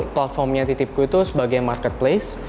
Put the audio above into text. platformnya titipku itu sebagai marketplace